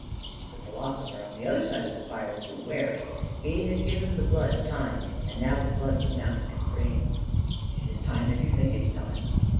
The philosopher on the other side of the fire grew wary; he had given the blood time, and now the blood was mounting to the brain. "It is time, if you think it is time."